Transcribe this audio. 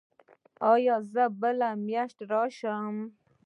ایا زه بلې میاشتې راشم؟